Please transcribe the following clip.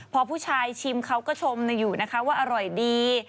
พอผู้ชายชิมเขาก็ชมอยู่นะคะว่าอร่อยดี